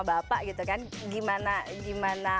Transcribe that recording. bapak gitu kan gimana